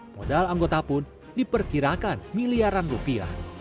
modal anggota pun diperkirakan miliaran rupiah